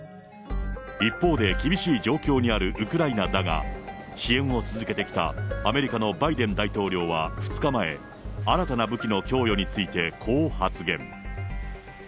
一方で厳しい状況にあるウクライナだが、支援を続けてきたアメリカのバイデン大統領は２日前、新たな武器の供与について、こう発言。